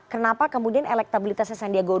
kenapa kemudian elektabilitasnya sandiago